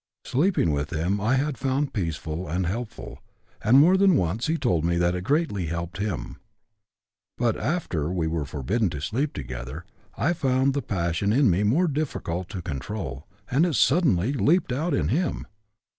Sleeping with him I had found peaceful and helpful, and more than once he told me that it greatly helped him. But after we were forbidden to sleep together, I found the passion in me more difficult to control, and it suddenly leaped out in him.